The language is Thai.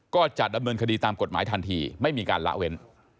ก็จะดำเนินคดีตามกฎหมายทันทีไม่มีการละเว้น